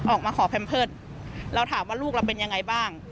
ออกมาขอแพมเพิร์ตเราถามว่าลูกเราเป็นยังไงบ้าง